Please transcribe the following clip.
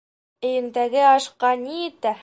Өйөңдәге ашҡа ни етә!